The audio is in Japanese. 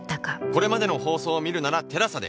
これまでの放送を見るなら ＴＥＬＡＳＡ で